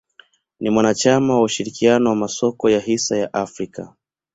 Ni mwanachama wa ushirikiano wa masoko ya hisa ya Afrika.